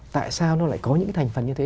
tại sao nó lại có những cái thành phần như thế